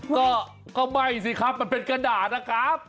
ก็ไหม้สิครับมันเป็นกระดาษนะครับ